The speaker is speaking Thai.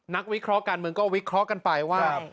วิเคราะห์การเมืองก็วิเคราะห์กันไปว่า